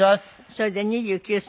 それで２９歳。